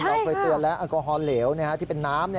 ใช่ค่ะเราเคยเตือนแล้วอัลกอฮอล์เหลวนะครับที่เป็นน้ำ